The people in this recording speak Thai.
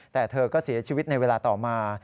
แต่เธอก็เสียชีวิตในเวลาต่อมา